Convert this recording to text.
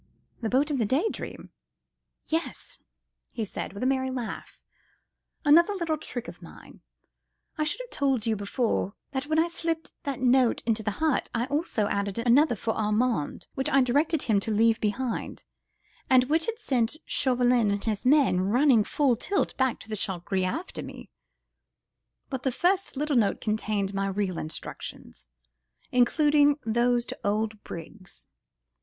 "The boat of the Day Dream?" "Yes!" he said, with a merry laugh; "another little trick of mine. I should have told you before that when I slipped that note into the hut, I also added another for Armand, which I directed him to leave behind, and which has sent Chauvelin and his men running full tilt back to the 'Chat Gris' after me; but the first little note contained my real instructions, including those to old Briggs.